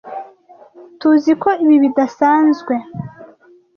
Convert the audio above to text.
Tuziko ibi bidasanzwe.